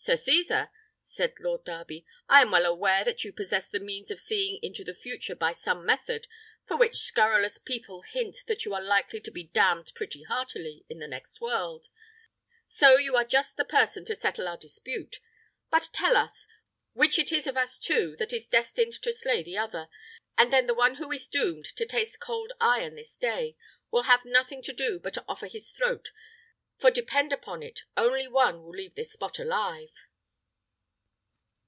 "Sir Cesar," said Lord Darby, "I am well aware that you possess the means of seeing into the future by some method, for which scurrilous people hint that you are likely to be damned pretty heartily in the next world; so you are just the person to settle our dispute. But tell us, which it is of us two that is destined to slay the other, and then the one who is doomed to taste cold iron this day will have nothing to do but offer his throat, for depend upon it, only one will leave this spot alive."